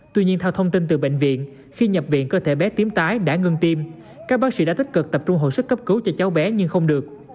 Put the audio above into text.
tuy nhiên theo thông tin từ bệnh viện khi nhập viện cơ thể bé tím tái đã ngưng tim các bác sĩ đã tích cực tập trung hồi sức cấp cứu cho cháu bé nhưng không được